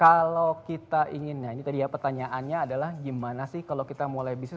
kalau kita ingin nah ini tadi ya pertanyaannya adalah gimana sih kalau kita mulai bisnis